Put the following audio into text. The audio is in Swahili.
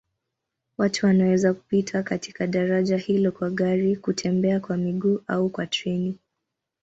Watu wanaweza kupita katika daraja hilo kwa gari, kutembea kwa miguu au kwa treni.